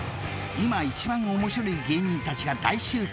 ［今一番面白い芸人たちが大集結］